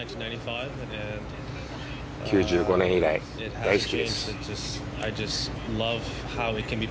９５年以来、大好きです。